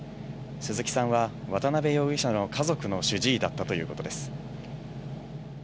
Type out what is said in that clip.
鈴木さんは渡辺容疑者の家族の主治医だったということです。